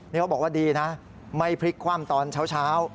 นี่เขาบอกว่าดีนะไม่พลิกคว่ำตอนเช้า